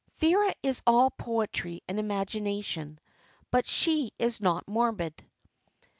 "Vera is all poetry and imagination, but she is not morbid."